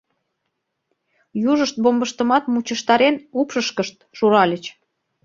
Южышт бомбыштымат мучыштарен, упшышкышт шуральыч.